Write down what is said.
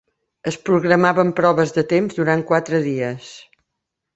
Es programaven proves de temps durant quatre dies.